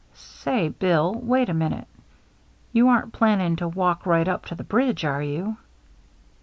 " Say, Bill, wait a minute. You aren't plan ning to walk right up to the bridge, are you